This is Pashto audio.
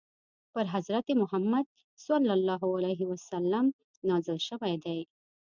پر حضرت محمد ﷺ نازل شوی دی.